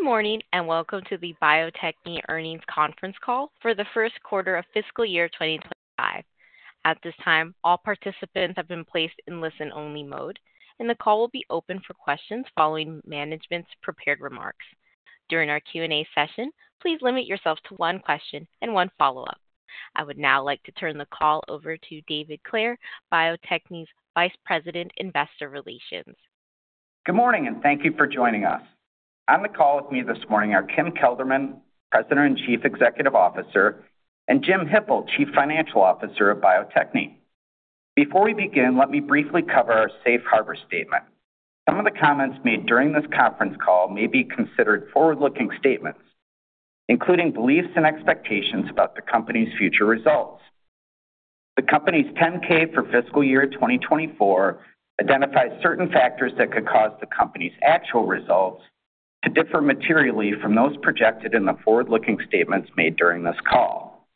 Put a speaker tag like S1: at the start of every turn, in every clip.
S1: Good morning and welcome to the Bio-Techne earnings conference call for the first quarter of fiscal year 2025. At this time, all participants have been placed in listen-only mode, and the call will be open for questions following management's prepared remarks. During our Q&A session, please limit yourself to one question and one follow-up. I would now like to turn the call over to David Clair, Bio-Techne's Vice President, Investor Relations.
S2: Good morning and thank you for joining us. On the call with me this morning are Kim Kelderman, President and Chief Executive Officer, and Jim Hippel, Chief Financial Officer of Bio-Techne. Before we begin, let me briefly cover our safe harbor statement. Some of the comments made during this conference call may be considered forward-looking statements, including beliefs and expectations about the company's future results. The company's 10-K for fiscal year 2024 identifies certain factors that could cause the company's actual results to differ materially from those projected in the forward-looking statements made during this call.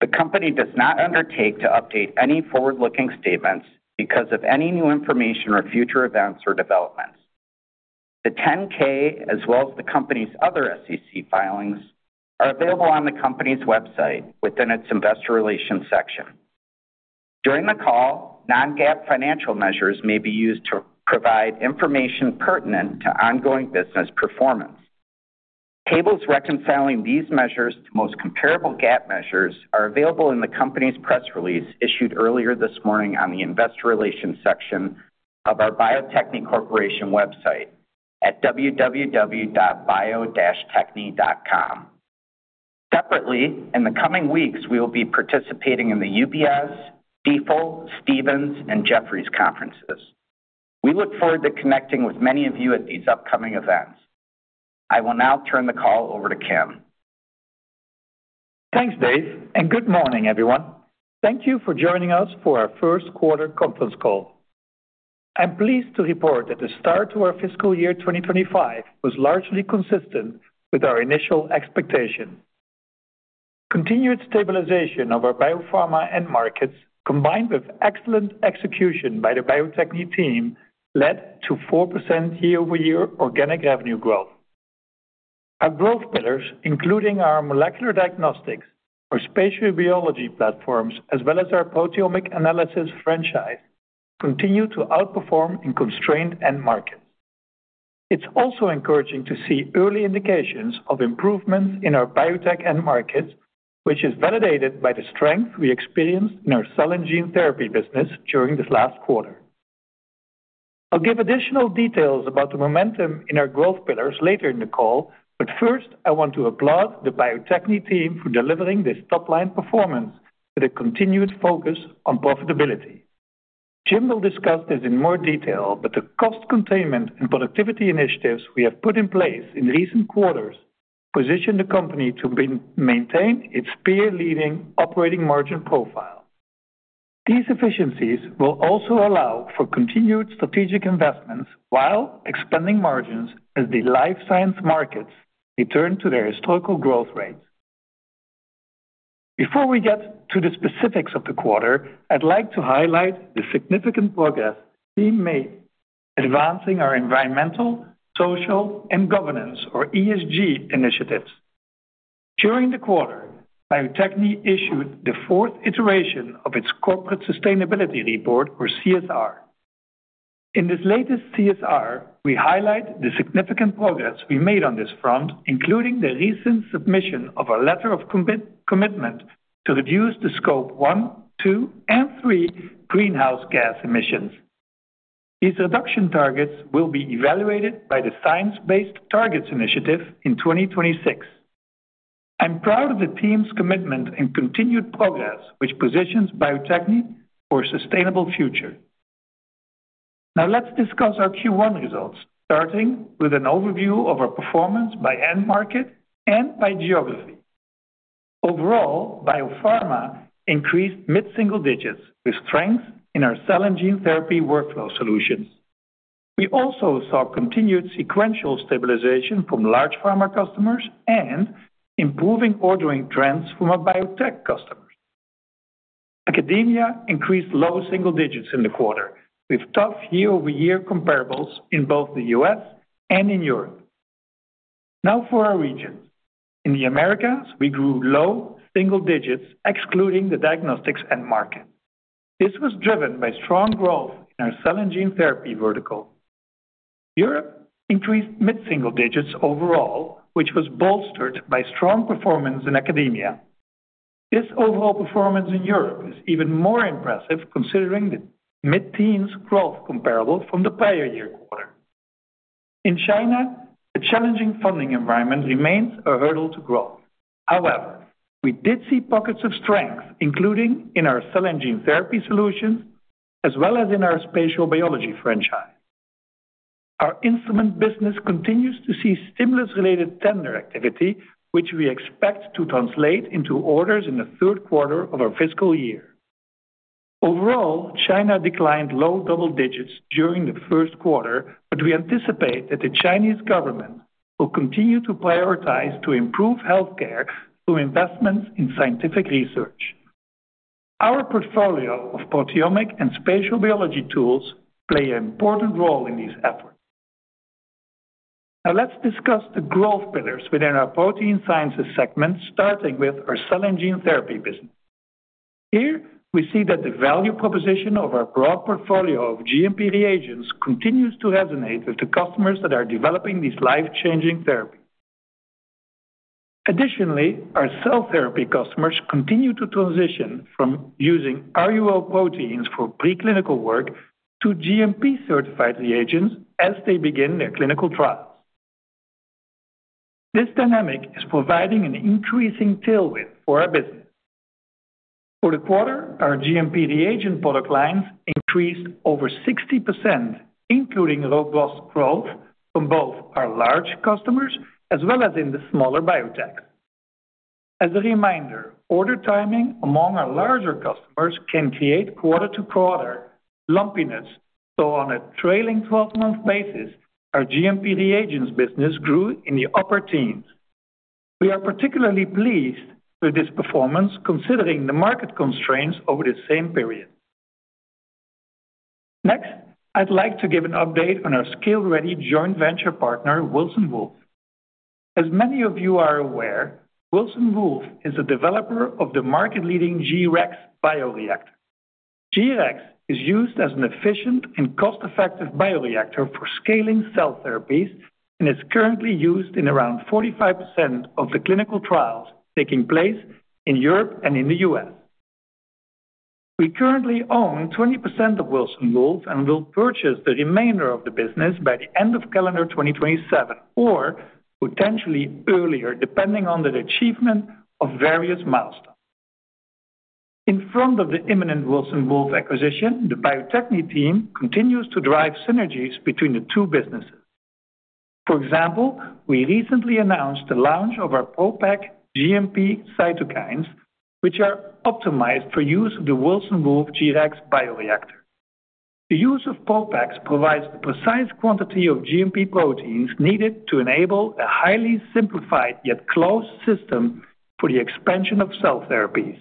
S2: The company does not undertake to update any forward-looking statements because of any new information or future events or developments. The 10-K, as well as the company's other SEC filings, are available on the company's website within its Investor Relations section. During the call, non-GAAP financial measures may be used to provide information pertinent to ongoing business performance. Tables reconciling these measures to most comparable GAAP measures are available in the company's press release issued earlier this morning on the Investor Relations section of our Bio-Techne Corporation website at www.bio-techne.com. Separately, in the coming weeks, we will be participating in the UBS, Stifel, Stephens, and Jefferies conferences. We look forward to connecting with many of you at these upcoming events. I will now turn the call over to Kim.
S3: Thanks, Dave, and good morning, everyone. Thank you for joining us for our first quarter conference call. I'm pleased to report that the start to our fiscal year 2025 was largely consistent with our initial expectation. Continued stabilization of our biopharma end markets, combined with excellent execution by the Bio-Techne team, led to 4% year-over-year organic revenue growth. Our growth pillars, including our molecular diagnostics, our spatial biology platforms, as well as our proteomic analysis franchise, continue to outperform in constrained end markets. It's also encouraging to see early indications of improvements in our biotech end markets, which is validated by the strength we experienced in our cell and gene therapy business during this last quarter. I'll give additional details about the momentum in our growth pillars later in the call, but first, I want to applaud the Bio-Techne team for delivering this top-line performance with a continued focus on profitability. Jim will discuss this in more detail, but the cost containment and productivity initiatives we have put in place in recent quarters position the company to maintain its peer-leading operating margin profile. These efficiencies will also allow for continued strategic investments while expanding margins as the life science markets return to their historical growth rates. Before we get to the specifics of the quarter, I'd like to highlight the significant progress the team made advancing our Environmental, Social, and Governance, or ESG, initiatives. During the quarter, Bio-Techne issued the fourth iteration of its Corporate Sustainability Report, or CSR. In this latest CSR, we highlight the significant progress we made on this front, including the recent submission of a letter of commitment to reduce the Scope one, two, and three greenhouse gas emissions. These reduction targets will be evaluated by the Science-Based Targets Initiative in 2026. I'm proud of the team's commitment and continued progress, which positions Bio-Techne for a sustainable future. Now, let's discuss our Q1 results, starting with an overview of our performance by end market and by geography. Overall, biopharma increased mid-single digits with strength in our cell and gene therapy workflow solutions. We also saw continued sequential stabilization from large pharma customers and improving ordering trends from our biotech customers. Academia increased low single digits in the quarter, with tough year-over-year comparables in both the U.S. and in Europe. Now for our regions. In the Americas, we grew low single digits, excluding the diagnostics end market. This was driven by strong growth in our cell and gene therapy vertical. Europe increased mid-single digits overall, which was bolstered by strong performance in academia. This overall performance in Europe is even more impressive considering the mid-teens growth comparable from the prior year quarter. In China, the challenging funding environment remains a hurdle to growth. However, we did see pockets of strength, including in our cell and gene therapy solutions, as well as in our spatial biology franchise. Our instrument business continues to see stimulus-related tender activity, which we expect to translate into orders in the third quarter of our fiscal year. Overall, China declined low double digits during the first quarter, but we anticipate that the Chinese government will continue to prioritize to improve healthcare through investments in scientific research. Our portfolio of proteomic and spatial biology tools plays an important role in these efforts. Now, let's discuss the growth pillars within our protein sciences segment, starting with our cell and gene therapy business. Here, we see that the value proposition of our broad portfolio of GMP reagents continues to resonate with the customers that are developing these life-changing therapies. Additionally, our cell therapy customers continue to transition from using RUO proteins for preclinical work to GMP-certified reagents as they begin their clinical trials. This dynamic is providing an increasing tailwind for our business. For the quarter, our GMP reagent product lines increased over 60%, including robust growth from both our large customers as well as in the smaller biotechs. As a reminder, order timing among our larger customers can create quarter-to-quarter lumpiness, so on a trailing 12-month basis, our GMP reagents business grew in the upper teens. We are particularly pleased with this performance considering the market constraints over the same period. Next, I'd like to give an update on our ScaleReady joint venture partner, Wilson Wolf. As many of you are aware, Wilson Wolf is a developer of the market-leading G-Rex bioreactor. G-Rex is used as an efficient and cost-effective bioreactor for scaling cell therapies and is currently used in around 45% of the clinical trials taking place in Europe and in the U.S.. We currently own 20% of Wilson Wolf and will purchase the remainder of the business by the end of calendar 2027 or potentially earlier, depending on the achievement of various milestones. In front of the imminent Wilson Wolf acquisition, the Bio-Techne team continues to drive synergies between the two businesses. For example, we recently announced the launch of our ProDots GMP cytokines, which are optimized for use of the Wilson Wolf G-Rex bioreactor. The use of ProDots provides the precise quantity of GMP proteins needed to enable a highly simplified yet closed system for the expansion of cell therapies.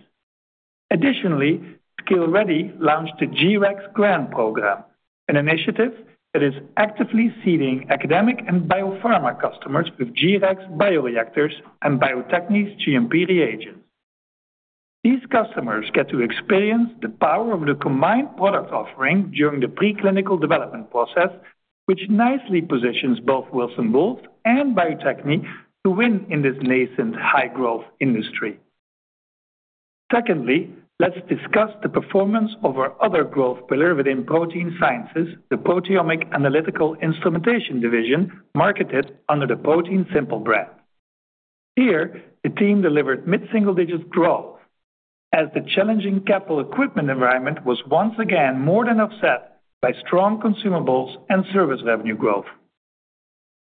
S3: Additionally, ScaleReady launched the G-Rex Grant program, an initiative that is actively seeding academic and biopharma customers with G-Rex bioreactors and Bio-Techne's GMP reagents. These customers get to experience the power of the combined product offering during the preclinical development process, which nicely positions both Wilson Wolf and Bio-Techne to win in this nascent high-growth industry. Secondly, let's discuss the performance of our other growth pillar within protein sciences, the Proteomic Analytical Instrumentation Division, marketed under the ProteinSimple brand. Here, the team delivered mid-single digits growth as the challenging capital equipment environment was once again more than offset by strong consumables and service revenue growth.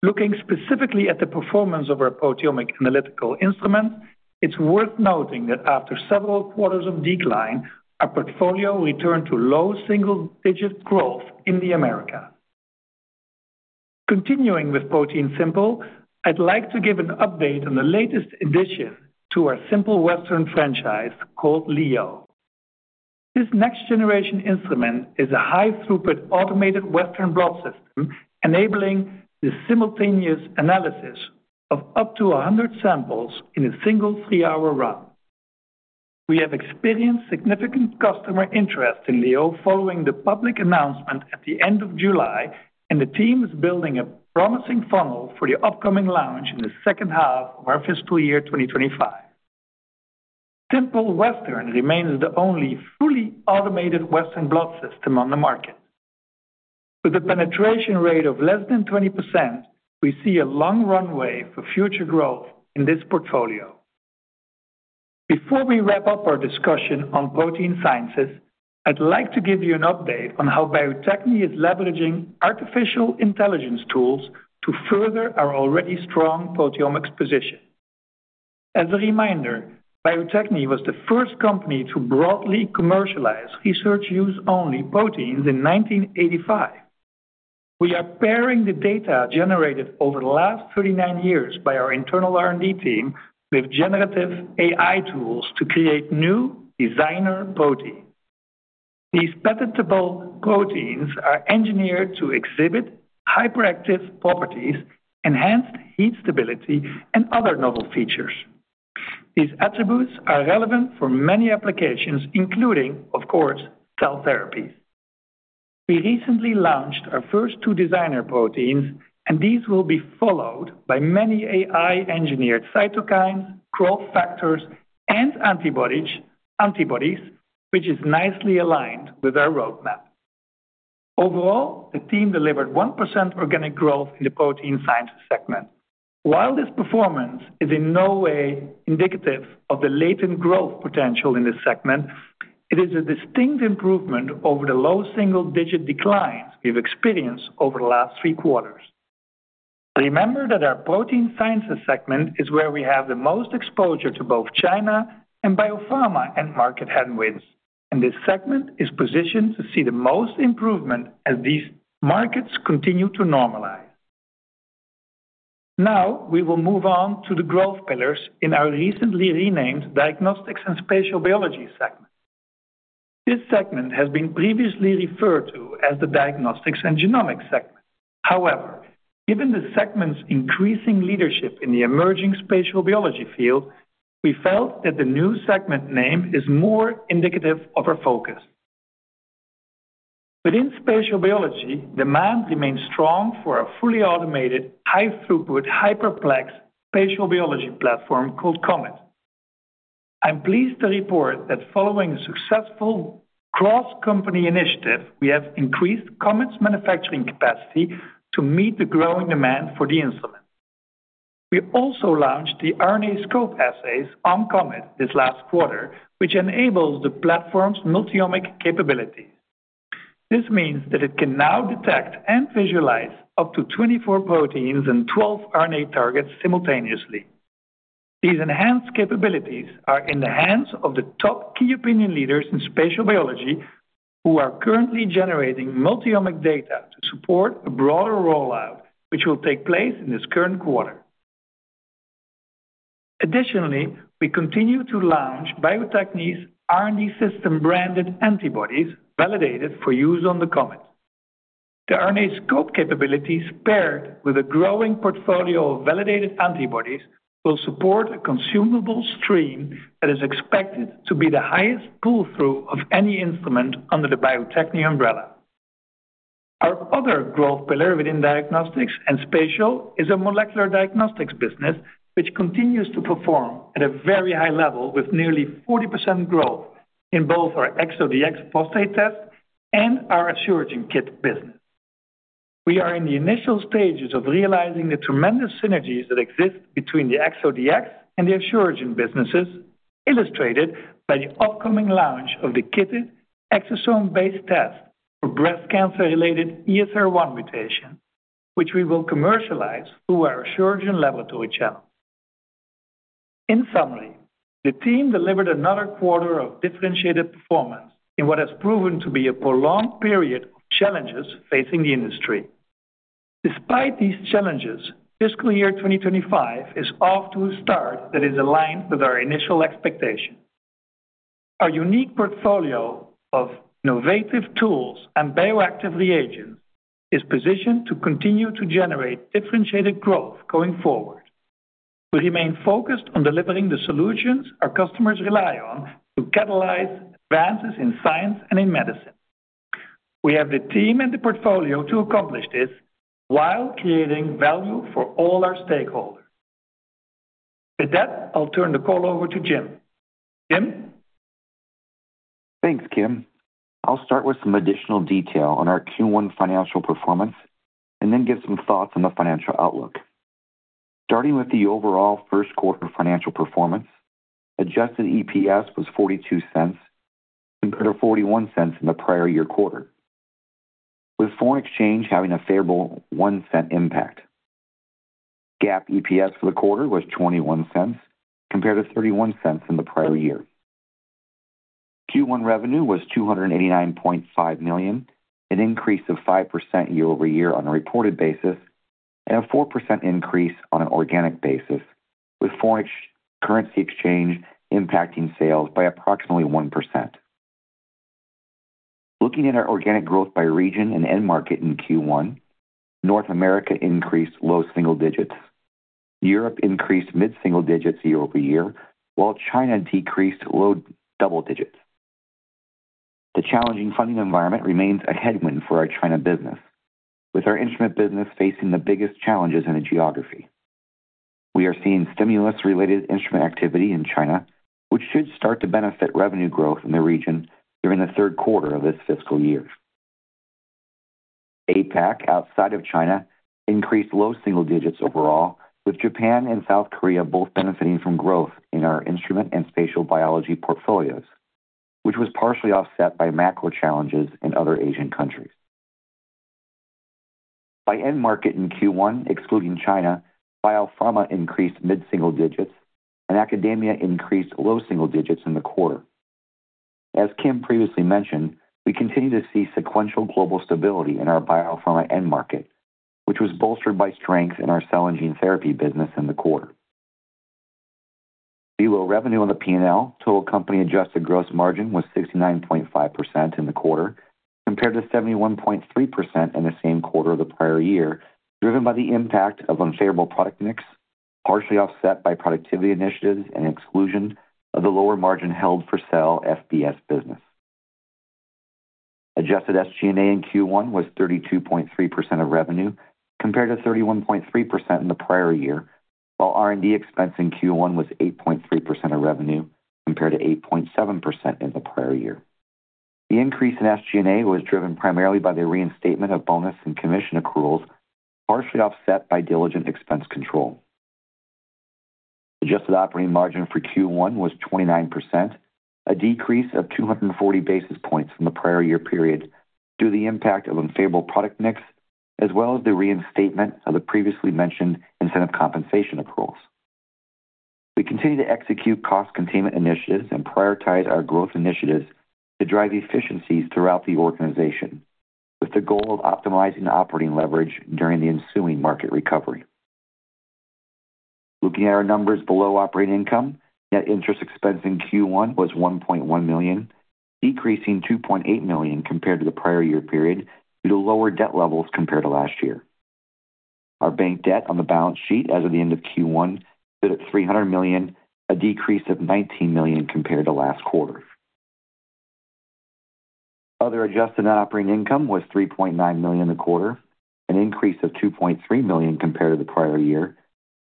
S3: Looking specifically at the performance of our Proteomic Analytical Instruments, it's worth noting that after several quarters of decline, our portfolio returned to low single-digit growth in the Americas. Continuing with ProteinSimple, I'd like to give an update on the latest addition to our Simple Western franchise called Leo. This next-generation instrument is a high-throughput automated Western blot system, enabling the simultaneous analysis of up to 100 samples in a single three-hour run. We have experienced significant customer interest in Leo following the public announcement at the end of July, and the team is building a promising funnel for the upcoming launch in the second half of our fiscal year 2025. Simple Western remains the only fully automated Western blot system on the market. With a penetration rate of less than 20%, we see a long runway for future growth in this portfolio. Before we wrap up our discussion on protein sciences, I'd like to give you an update on how Bio-Techne is leveraging artificial intelligence tools to further our already strong proteomics position. As a reminder, Bio-Techne was the first company to broadly commercialize research-use-only proteins in 1985. We are pairing the data generated over the last 39 years by our internal R&D team with generative AI tools to create new designer proteins. These patentable proteins are engineered to exhibit hyperactive properties, enhanced heat stability, and other novel features. These attributes are relevant for many applications, including, of course, cell therapies. We recently launched our first two designer proteins, and these will be followed by many AI-engineered cytokines, growth factors, and antibodies, which is nicely aligned with our roadmap. Overall, the team delivered 1% organic growth in the protein science segment. While this performance is in no way indicative of the latent growth potential in this segment, it is a distinct improvement over the low single-digit declines we've experienced over the last three quarters. Remember that our protein sciences segment is where we have the most exposure to both China and biopharma end market headwinds, and this segment is positioned to see the most improvement as these markets continue to normalize. Now, we will move on to the growth pillars in our recently renamed diagnostics and spatial biology segment. This segment has been previously referred to as the diagnostics and genomics segment. However, given the segment's increasing leadership in the emerging spatial biology field, we felt that the new segment name is more indicative of our focus. Within spatial biology, demand remains strong for a fully automated, high-throughput, hyperplex spatial biology platform called COMET. I'm pleased to report that following a successful cross-company initiative, we have increased COMET's manufacturing capacity to meet the growing demand for the instrument. We also launched the RNAscope assays on COMET this last quarter, which enables the platform's multi-omic capabilities. This means that it can now detect and visualize up to 24 proteins and 12 RNA targets simultaneously. These enhanced capabilities are in the hands of the top key opinion leaders in spatial biology who are currently generating multi-omic data to support a broader rollout, which will take place in this current quarter. Additionally, we continue to launch Bio-Techne's R&D Systems-branded antibodies validated for use on the COMET. The RNAscope capabilities, paired with a growing portfolio of validated antibodies, will support a consumable stream that is expected to be the highest pull-through of any instrument under the Bio-Techne umbrella. Our other growth pillar within diagnostics and spatial is our molecular diagnostics business, which continues to perform at a very high level with nearly 40% growth in both our ExoDx Prostate test and our Asuragen kit business. We are in the initial stages of realizing the tremendous synergies that exist between the ExoDx and the Asuragen businesses, illustrated by the upcoming launch of the kitted exosome-based test for breast cancer-related ESR1 mutation, which we will commercialize through our Asuragen laboratory channel. In summary, the team delivered another quarter of differentiated performance in what has proven to be a prolonged period of challenges facing the industry. Despite these challenges, fiscal year 2025 is off to a start that is aligned with our initial expectation. Our unique portfolio of innovative tools and bioactive reagents is positioned to continue to generate differentiated growth going forward. We remain focused on delivering the solutions our customers rely on to catalyze advances in science and in medicine. We have the team and the portfolio to accomplish this while creating value for all our stakeholders. With that, I'll turn the call over to Jim. Jim?
S4: Thanks, Kim. I'll start with some additional detail on our Q1 financial performance and then give some thoughts on the financial outlook. Starting with the overall first quarter financial performance, adjusted EPS was $0.42 compared to $0.41 in the prior year quarter, with foreign exchange having a favorable $0.01 impact. GAAP EPS for the quarter was $0.21 compared to $0.31 in the prior year. Q1 revenue was $289.5 million, an increase of 5% year-over-year on a reported basis, and a 4% increase on an organic basis, with foreign currency exchange impacting sales by approximately 1%. Looking at our organic growth by region and end market in Q1, North America increased low single digits. Europe increased mid-single digits year-over-year, while China decreased low double digits. The challenging funding environment remains a headwind for our China business, with our instrument business facing the biggest challenges in the geography. We are seeing stimulus-related instrument activity in China, which should start to benefit revenue growth in the region during the third quarter of this fiscal year. APAC outside of China increased low single digits overall, with Japan and South Korea both benefiting from growth in our instrument and spatial biology portfolios, which was partially offset by macro challenges in other Asian countries. By end market in Q1, excluding China, biopharma increased mid-single digits, and academia increased low single digits in the quarter. As Kim previously mentioned, we continue to see sequential global stability in our biopharma end market, which was bolstered by strength in our cell and gene therapy business in the quarter. RUO revenue on the P&L, total company adjusted gross margin, was 69.5% in the quarter compared to 71.3% in the same quarter of the prior year, driven by the impact of unfavorable product mix, partially offset by productivity initiatives and exclusion of the lower margin held-for-sale FBS business. Adjusted SG&A in Q1 was 32.3% of revenue compared to 31.3% in the prior year, while R&D expense in Q1 was 8.3% of revenue compared to 8.7% in the prior year. The increase in SG&A was driven primarily by the reinstatement of bonus and commission accruals, partially offset by diligent expense control. Adjusted operating margin for Q1 was 29%, a decrease of 240 basis points from the prior year period due to the impact of unfavorable product mix, as well as the reinstatement of the previously mentioned incentive compensation accruals. We continue to execute cost containment initiatives and prioritize our growth initiatives to drive efficiencies throughout the organization, with the goal of optimizing operating leverage during the ensuing market recovery. Looking at our numbers below operating income, net interest expense in Q1 was $1.1 million, decreasing $2.8 million compared to the prior year period due to lower debt levels compared to last year. Our bank debt on the balance sheet as of the end of Q1 stood at $300 million, a decrease of $19 million compared to last quarter. Other adjusted net operating income was $3.9 million in the quarter, an increase of $2.3 million compared to the prior year,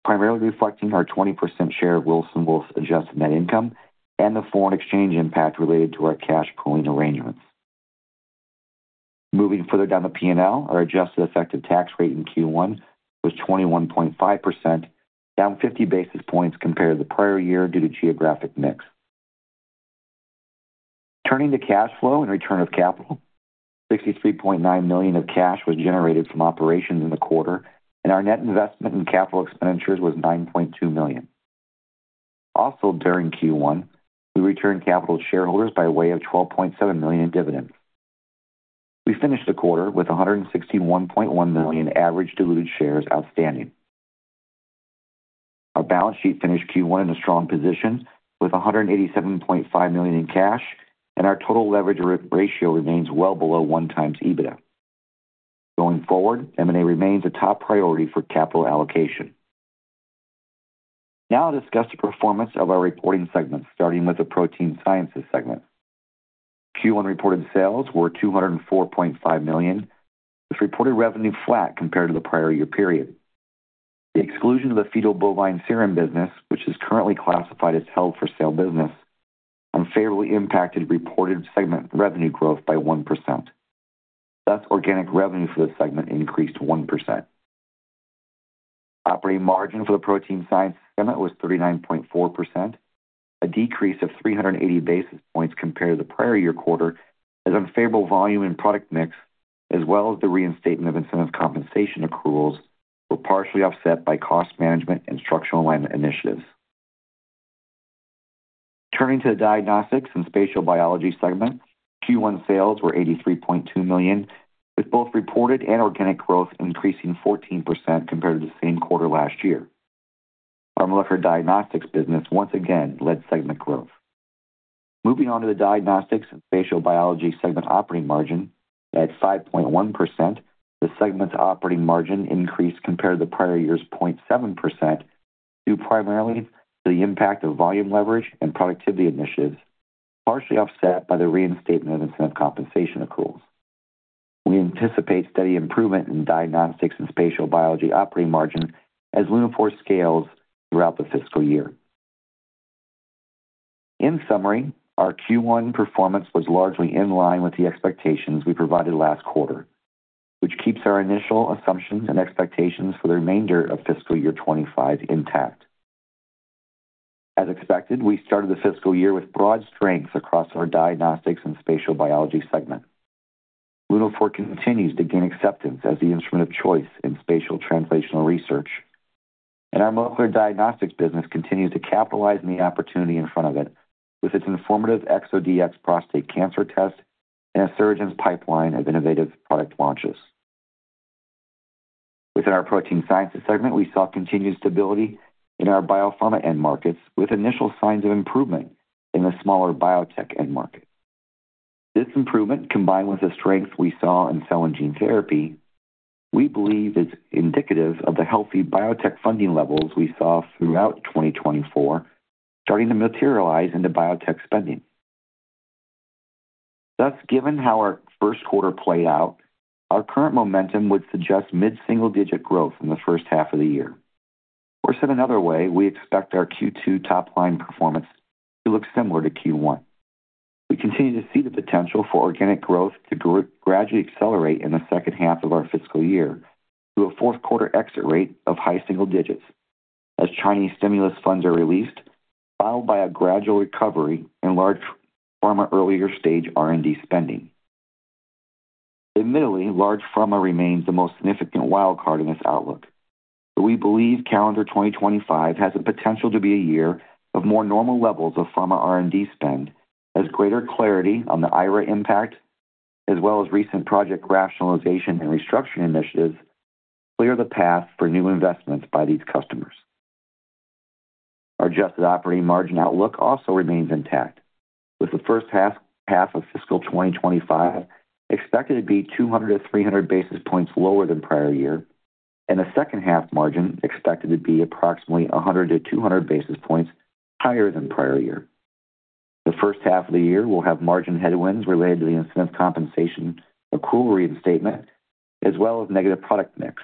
S4: primarily reflecting our 20% share of Wilson Wolf's adjusted net income and the foreign exchange impact related to our cash pooling arrangements. Moving further down the P&L, our adjusted effective tax rate in Q1 was 21.5%, down 50 basis points compared to the prior year due to geographic mix. Turning to cash flow and return of capital, $63.9 million of cash was generated from operations in the quarter, and our net investment in capital expenditures was $9.2 million. Also, during Q1, we returned capital to shareholders by way of $12.7 million in dividends. We finished the quarter with 161.1 million average diluted shares outstanding. Our balance sheet finished Q1 in a strong position with $187.5 million in cash, and our total leverage ratio remains well below one times EBITDA. Going forward, M&A remains a top priority for capital allocation. Now, I'll discuss the performance of our reporting segment, starting with the protein sciences segment. Q1 reported sales were $204.5 million, with reported revenue flat compared to the prior year period. The exclusion of the fetal bovine serum business, which is currently classified as held-for-sale business, unfavorably impacted reported segment revenue growth by 1%. Thus, organic revenue for the segment increased 1%. Operating margin for the protein science segment was 39.4%, a decrease of 380 basis points compared to the prior year quarter, as unfavorable volume and product mix, as well as the reinstatement of incentive compensation accruals, were partially offset by cost management and structural alignment initiatives. Turning to the diagnostics and spatial biology segment, Q1 sales were $83.2 million, with both reported and organic growth increasing 14% compared to the same quarter last year. Our molecular diagnostics business once again led segment growth. Moving on to the diagnostics and spatial biology segment operating margin, at 5.1%, the segment's operating margin increased compared to the prior year's 0.7% due primarily to the impact of volume leverage and productivity initiatives, partially offset by the reinstatement of incentive compensation accruals. We anticipate steady improvement in diagnostics and spatial biology operating margin as Lunaphore scales throughout the fiscal year. In summary, our Q1 performance was largely in line with the expectations we provided last quarter, which keeps our initial assumptions and expectations for the remainder of fiscal year 2025 intact. As expected, we started the fiscal year with broad strengths across our diagnostics and spatial biology segment. Lunaphore continues to gain acceptance as the instrument of choice in spatial translational research, and our molecular diagnostics business continues to capitalize on the opportunity in front of it with its informative ExoDx prostate cancer test and Asuragen's pipeline of innovative product launches. Within our protein sciences segment, we saw continued stability in our biopharma end markets, with initial signs of improvement in the smaller biotech end market. This improvement, combined with the strength we saw in cell and gene therapy, we believe is indicative of the healthy biotech funding levels we saw throughout 2024, starting to materialize into biotech spending. Thus, given how our first quarter played out, our current momentum would suggest mid-single digit growth in the first half of the year. Or said another way, we expect our Q2 top-line performance to look similar to Q1. We continue to see the potential for organic growth to gradually accelerate in the second half of our fiscal year to a fourth quarter exit rate of high single digits, as Chinese stimulus funds are released, followed by a gradual recovery in large pharma earlier stage R&D spending. Admittedly, large pharma remains the most significant wildcard in this outlook, but we believe calendar 2025 has the potential to be a year of more normal levels of pharma R&D spend, as greater clarity on the IRA impact, as well as recent project rationalization and restructuring initiatives, clear the path for new investments by these customers. Our adjusted operating margin outlook also remains intact, with the first half of fiscal 2025 expected to be 200-300 basis points lower than prior year, and the second half margin expected to be approximately 100-200 basis points higher than prior year. The first half of the year will have margin headwinds related to the incentive compensation accrual reinstatement, as well as negative product mix,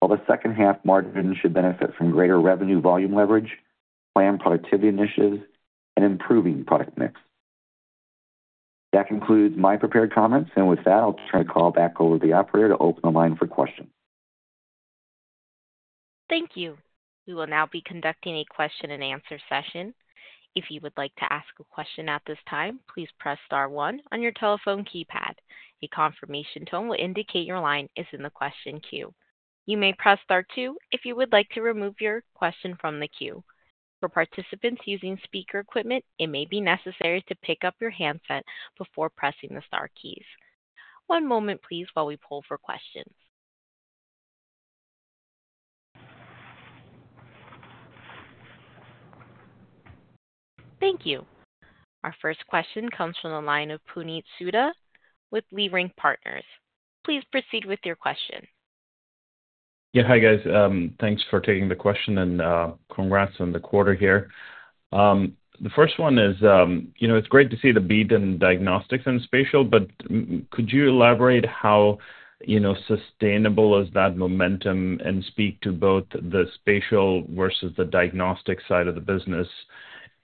S4: while the second half margin should benefit from greater revenue volume leverage, planned productivity initiatives, and improving product mix. That concludes my prepared comments, and with that, I'll turn the call back over to the operator to open the line for questions.
S1: Thank you. We will now be conducting a question-and-answer session. If you would like to ask a question at this time, please press star one on your telephone keypad. A confirmation tone will indicate your line is in the question queue. You may press star two if you would like to remove your question from the queue. For participants using speaker equipment, it may be necessary to pick up your handset before pressing the star keys. One moment, please, while we pull for questions. Thank you. Our first question comes from the line of Puneet Souda with Leerink Partners. Please proceed with your question.
S5: Yeah, hi guys. Thanks for taking the question and congrats on the quarter here. The first one is, you know, it's great to see the beat in diagnostics and spatial, but could you elaborate how, you know, sustainable is that momentum and speak to both the spatial versus the diagnostic side of the business?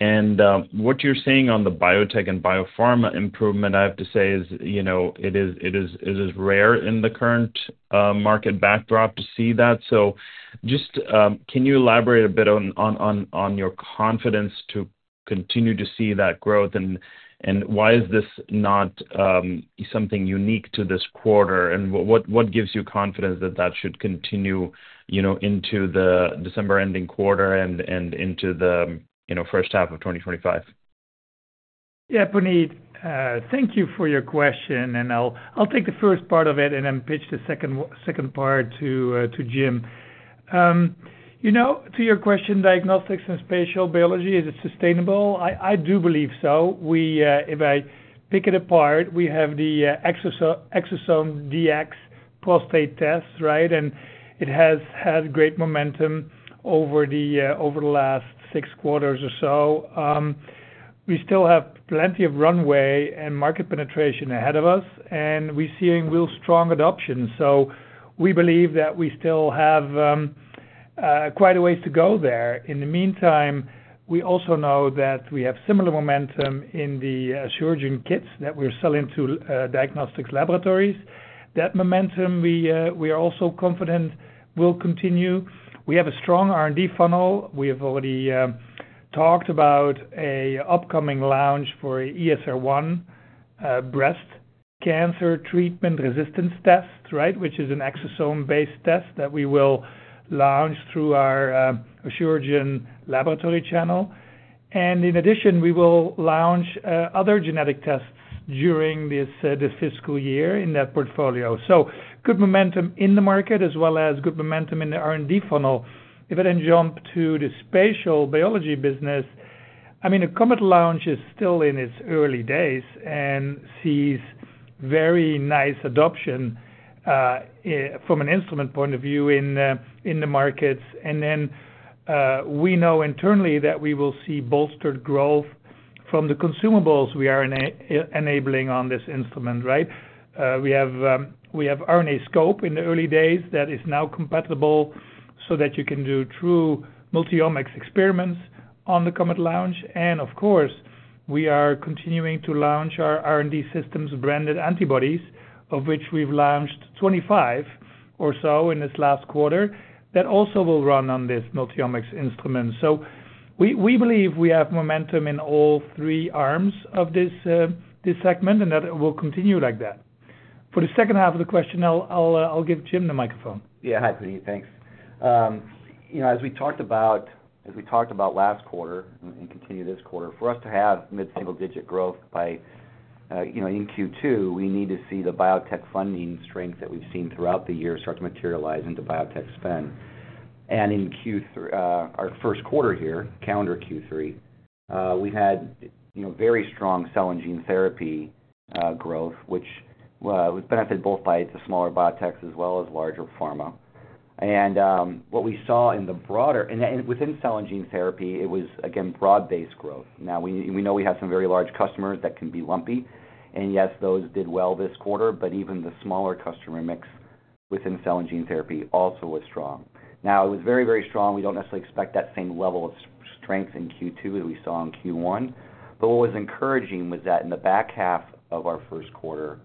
S5: And what you're saying on the biotech and biopharma improvement, I have to say is, you know, it is rare in the current market backdrop to see that. So just can you elaborate a bit on your confidence to continue to see that growth, and why is this not something unique to this quarter? And what gives you confidence that that should continue, you know, into the December ending quarter and into the first half of 2025?
S3: Yeah, Puneet, thank you for your question, and I'll take the first part of it and then pitch the second part to Jim. You know, to your question, diagnostics and spatial biology, is it sustainable? I do believe so. If I pick it apart, we have the ExoDx Prostate test, right? And it has had great momentum over the last six quarters or so. We still have plenty of runway and market penetration ahead of us, and we're seeing real strong adoption. So we believe that we still have quite a ways to go there. In the meantime, we also know that we have similar momentum in the Asuragen kits that we're selling to diagnostics laboratories. That momentum, we are also confident will continue. We have a strong R&D funnel. We have already talked about an upcoming launch for ESR1 breast cancer treatment resistance test, right, which is an exosome-based test that we will launch through our Asuragen laboratory channel. In addition, we will launch other genetic tests during this fiscal year in that portfolio. Good momentum in the market, as well as good momentum in the R&D funnel. If I then jump to the spatial biology business, I mean, a COMET launch is still in its early days and sees very nice adoption from an instrument point of view in the markets. We know internally that we will see bolstered growth from the consumables we are enabling on this instrument, right? We have RNAscope in the early days that is now compatible so that you can do true multi-omics experiments on the COMET launch. Of course, we are continuing to launch our R&D Systems branded antibodies, of which we've launched 25 or so in this last quarter that also will run on this multi-omics instrument. So we believe we have momentum in all three arms of this segment, and that will continue like that. For the second half of the question, I'll give Jim the microphone.
S4: Yeah, hi, Puneet, thanks. You know, as we talked about, as we talked about last quarter and continue this quarter, for us to have mid-single digit growth by, you know, in Q2, we need to see the biotech funding strength that we've seen throughout the year start to materialize into biotech spend. And in Q, our first quarter here, calendar Q3, we had, you know, very strong cell and gene therapy growth, which was benefited both by the smaller biotechs as well as larger pharma. And what we saw in the broader, and within cell and gene therapy, it was, again, broad-based growth. Now, we know we have some very large customers that can be lumpy, and yes, those did well this quarter, but even the smaller customer mix within cell and gene therapy also was strong. Now, it was very, very strong. We don't necessarily expect that same level of strength in Q2 as we saw in Q1, but what was encouraging was that in the back half of our first quarter,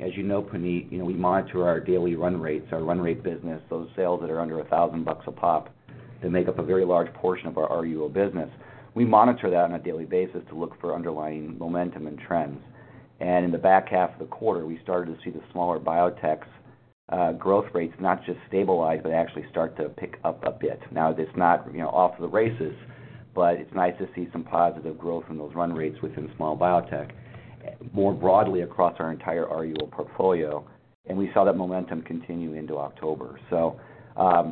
S4: as you know, Puneet, you know, we monitor our daily run rates, our run rate business, those sales that are under $1000 a pop that make up a very large portion of our RUO business. We monitor that on a daily basis to look for underlying momentum and trends, and in the back half of the quarter, we started to see the smaller biotechs growth rates not just stabilize, but actually start to pick up a bit. Now, it's not, you know, off to the races, but it's nice to see some positive growth in those run rates within small biotech more broadly across our entire RUO portfolio, and we saw that momentum continue into October. So,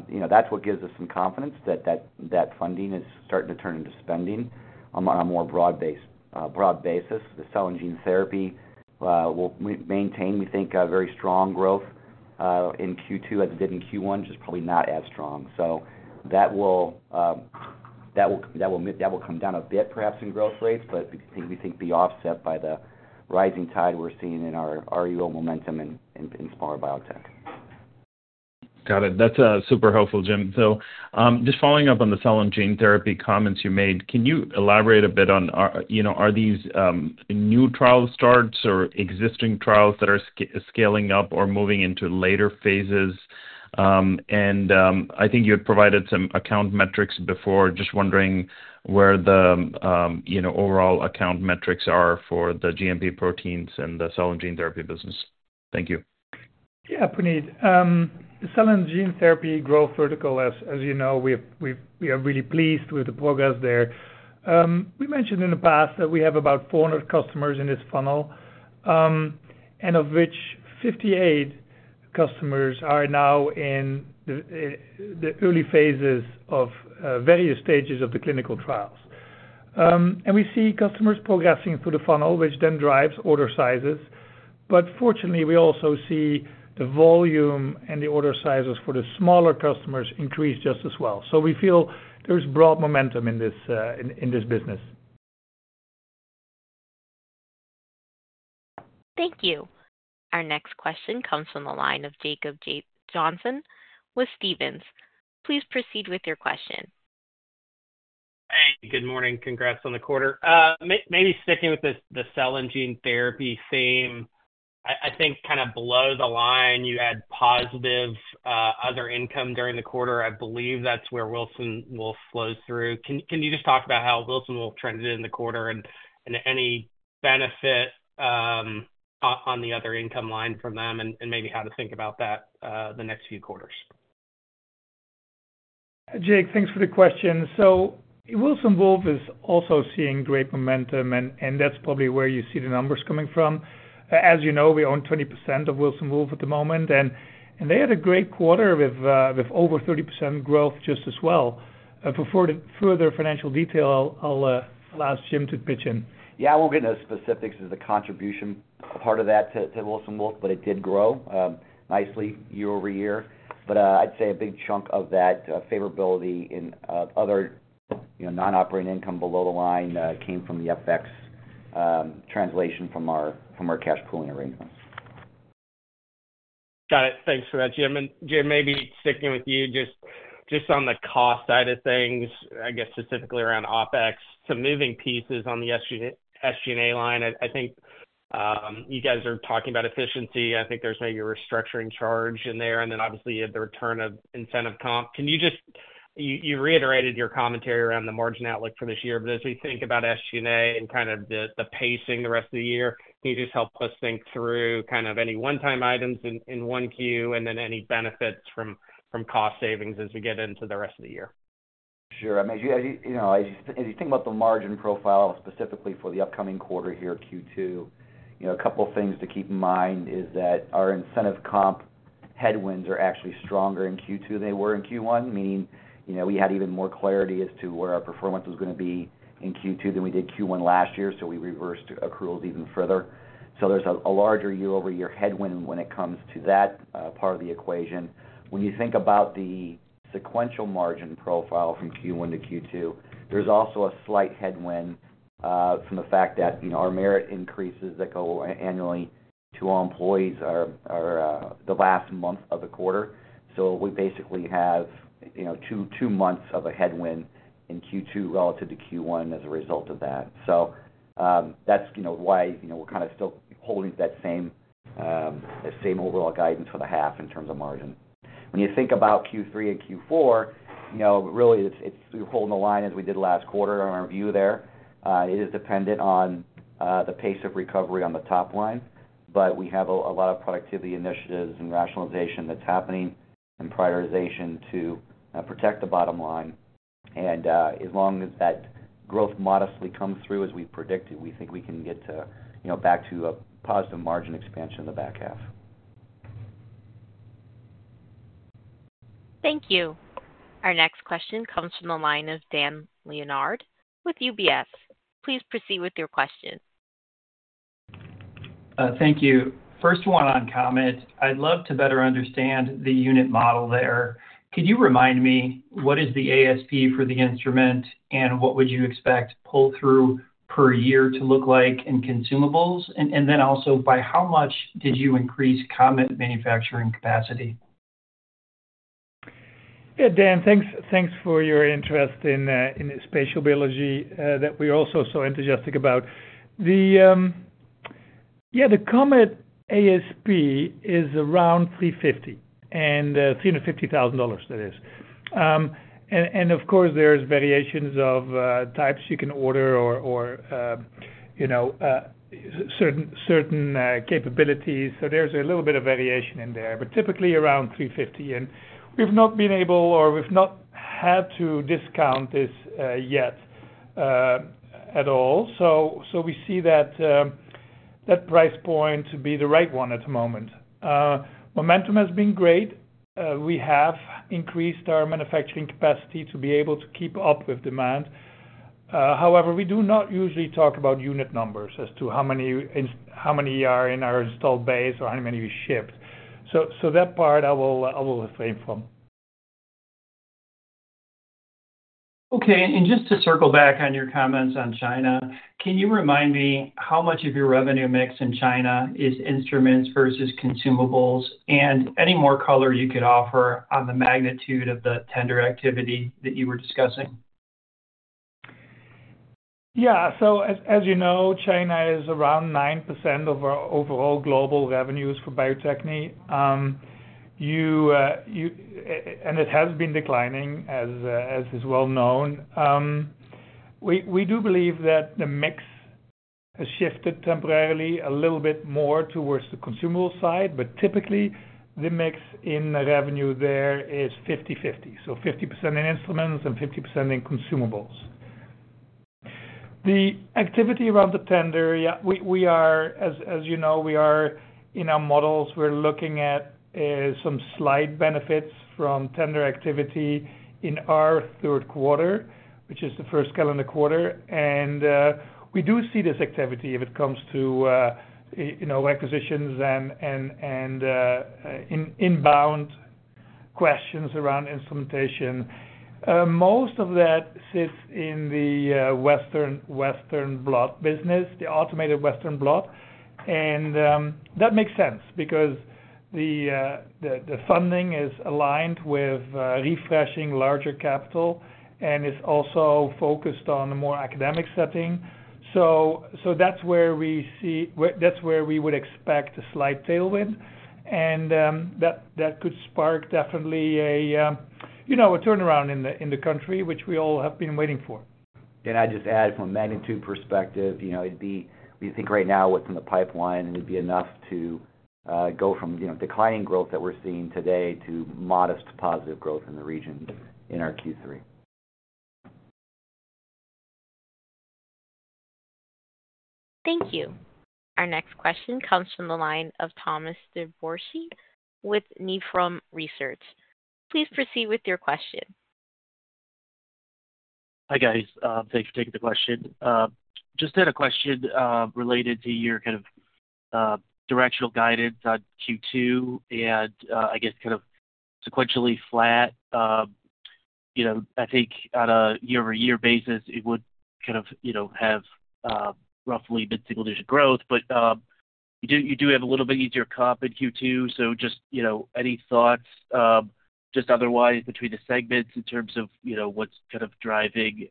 S4: you know, that's what gives us some confidence that that funding is starting to turn into spending on a more broad-based basis. The cell and gene therapy will maintain, we think, a very strong growth in Q2 as it did in Q1, just probably not as strong. So that will come down a bit perhaps in growth rates, but we think be offset by the rising tide we're seeing in our RUO momentum in smaller biotech.
S5: Got it. That's super helpful, Jim. So just following up on the cell and gene therapy comments you made, can you elaborate a bit on, you know, are these new trial starts or existing trials that are scaling up or moving into later phases? And I think you had provided some account metrics before, just wondering where the, you know, overall account metrics are for the GMP proteins and the cell and gene therapy business. Thank you.
S3: Yeah, Puneet, cell and gene therapy growth vertical, as you know, we are really pleased with the progress there. We mentioned in the past that we have about 400 customers in this funnel, and of which 58 customers are now in the early phases of various stages of the clinical trials. And we see customers progressing through the funnel, which then drives order sizes. But fortunately, we also see the volume and the order sizes for the smaller customers increase just as well. So we feel there's broad momentum in this business.
S1: Thank you. Our next question comes from the line of Jacob Johnson with Stephens. Please proceed with your question.
S6: Hey, good morning. Congrats on the quarter. Maybe sticking with the cell and gene therapy theme, I think kind of below the line, you had positive other income during the quarter. I believe that's where Wilson Wolf will flow through. Can you just talk about how Wilson Wolf trended in the quarter and any benefit on the other income line from them and maybe how to think about that the next few quarters?
S3: Jake, thanks for the question. So Wilson Wolf is also seeing great momentum, and that's probably where you see the numbers coming from. As you know, we own 20% of Wilson Wolf at the moment, and they had a great quarter with over 30% growth just as well. For further financial detail, I'll ask Jim to pitch in.
S4: Yeah, I won't get into specifics as the contribution part of that to Wilson Wolf, but it did grow nicely year over year. But I'd say a big chunk of that favorability in other, you know, non-operating income below the line came from the FX translation from our cash pooling arrangements.
S6: Got it. Thanks for that, Jim. And Jim, maybe sticking with you just on the cost side of things, I guess specifically around OpEx, some moving pieces on the SG&A line. I think you guys are talking about efficiency. I think there's maybe a restructuring charge in there, and then obviously you have the return of incentive comp. Can you just, you reiterated your commentary around the margin outlook for this year, but as we think about SG&A and kind of the pacing the rest of the year, can you just help us think through kind of any one-time items in Q1 and then any benefits from cost savings as we get into the rest of the year?
S4: Sure. You know, as you think about the margin profile specifically for the upcoming quarter here, Q2, you know, a couple of things to keep in mind is that our incentive comp headwinds are actually stronger in Q2 than they were in Q1, meaning, you know, we had even more clarity as to where our performance was going to be in Q2 than we did Q1 last year, so we reversed accruals even further. So there's a larger year-over-year headwind when it comes to that part of the equation. When you think about the sequential margin profile from Q1 to Q2, there's also a slight headwind from the fact that, you know, our merit increases that go annually to all employees are the last month of the quarter. So we basically have, you know, two months of a headwind in Q2 relative to Q1 as a result of that. So that's, you know, why, you know, we're kind of still holding that same overall guidance for the half in terms of margin. When you think about Q3 and Q4, you know, really it's holding the line as we did last quarter on our view there. It is dependent on the pace of recovery on the top line, but we have a lot of productivity initiatives and rationalization that's happening and prioritization to protect the bottom line. As long as that growth modestly comes through as we predicted, we think we can get back to a positive margin expansion in the back half.
S1: Thank you. Our next question comes from the line of Dan Leonard with UBS. Please proceed with your question.
S7: Thank you. First one on COMET, I'd love to better understand the unit model there. Could you remind me what is the ASP for the instrument and what would you expect pull-through per year to look like in consumables? And then also, by how much did you increase COMET manufacturing capacity?
S3: Yeah, Dan, thanks for your interest in spatial biology that we're also so enthusiastic about. The, yeah, the COMET ASP is around $350,000, that is. And of course, there's variations of types you can order or, you know, certain capabilities. So there's a little bit of variation in there, but typically around $350,000. And we've not been able or we've not had to discount this yet at all. So we see that price point to be the right one at the moment. Momentum has been great. We have increased our manufacturing capacity to be able to keep up with demand. However, we do not usually talk about unit numbers as to how many are in our installed base or how many we shipped. So that part I will refrain from.
S7: Okay. And just to circle back on your comments on China, can you remind me how much of your revenue mix in China is instruments versus consumables and any more color you could offer on the magnitude of the tender activity that you were discussing?
S3: Yeah. So as you know, China is around 9% of our overall global revenues for Bio-Techne. And it has been declining, as is well known. We do believe that the mix has shifted temporarily a little bit more towards the consumable side, but typically the mix in revenue there is 50-50, so 50% in instruments and 50% in consumables. The activity around the tender, yeah, we are, as you know, we are in our models, we're looking at some slight benefits from tender activity in our third quarter, which is the first calendar quarter, and we do see this activity if it comes to, you know, acquisitions and inbound questions around instrumentation. Most of that sits in the Western blot business, the automated Western blot. And that makes sense because the funding is aligned with refreshing larger capital and is also focused on a more academic setting, so that's where we see, that's where we would expect a slight tailwind. And that could spark definitely a, you know, a turnaround in the country, which we all have been waiting for.
S4: And I'd just add from a magnitude perspective, you know, it'd be, we think right now what's in the pipeline, it'd be enough to go from, you know, declining growth that we're seeing today to modest positive growth in the region in our Q3.
S1: Thank you. Our next question comes from the line of Thomas Dvorsky with Nephron Research. Please proceed with your question.
S8: Hi guys. Thanks for taking the question. Just had a question related to your kind of directional guidance on Q2 and I guess kind of sequentially flat. You know, I think on a year-over-year basis, it would kind of, you know, have roughly mid-single digit growth, but you do have a little bit easier comp in Q2. So just, you know, any thoughts just otherwise between the segments in terms of, you know, what's kind of driving,